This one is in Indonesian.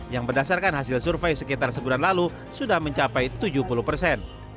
yang berdasarkan hasil survei sekitar sebulan lalu sudah mencapai tujuh puluh persen